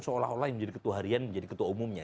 seolah olah yang menjadi ketuharian menjadi ketuh umumnya